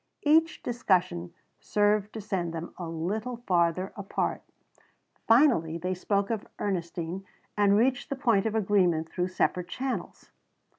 Each discussion served to send them a little farther apart. Finally they spoke of Ernestine and reached the point of agreement through separate channels.